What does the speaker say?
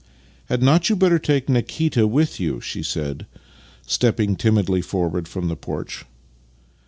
" Had not you better take Nikita with you? " she said, stepping timidly forward from the porch.